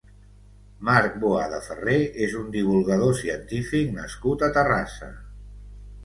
Marc Boada Ferrer és un divulgador científic nascut a Terrassa.